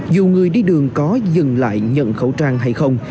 dù người đi đường có dừng lại nhận khẩu trang hay không